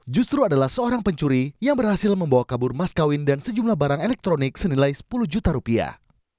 justru adalah seorang pencuri yang berhasil membawa kabur mas kawin dan sejumlah barang elektronik senilai sepuluh juta rupiah